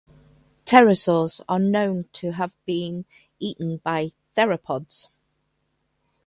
Pterosaurs are known to have been eaten by theropods.